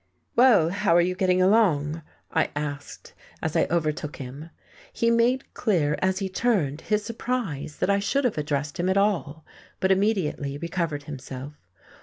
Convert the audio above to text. "Well, how are you getting along?" I asked, as I overtook him. He made clear, as he turned, his surprise that I should have addressed him at all, but immediately recovered himself.